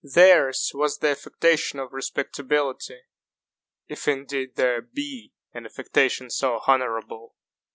Theirs was the affectation of respectability; if indeed there be an affectation so honorable.